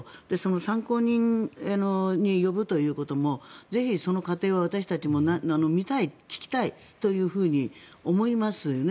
参考人に呼ぶということもぜひ、その過程は私たちも見たい、聞きたいと思いますよね。